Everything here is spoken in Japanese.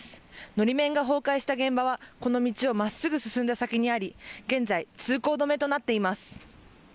のり面が崩壊した現場はこの道をまっすぐ進んだ先にあり現在、通行止めとなっています。